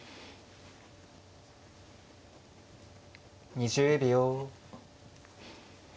２０秒。